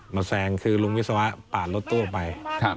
แซงคือลุงวิศวะปาดรถตู้ไป